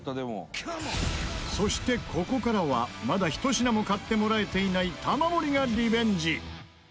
そして、ここからはまだ一品も買ってもらえていない玉森がリベンジ